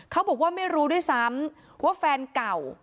เขาบอกว่าไม่รู้ด้วยซ้ำว่าแฟนเก่า